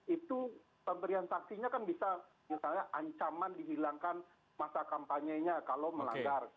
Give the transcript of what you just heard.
itu pemberian saksinya kan bisa misalnya ancaman dihilangkan masa kampanyenya kalau melanggar